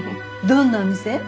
どんなお店？